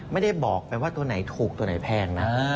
ไม่ได้บอกไปว่าตัวไหนถูกตัวไหนแพงนะ